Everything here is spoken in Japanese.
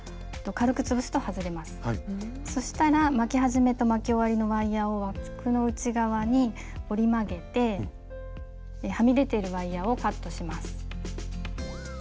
そしたら巻き始めと巻き終わりのワイヤーを枠の内側に折り曲げてはみ出てるワイヤーをカットします。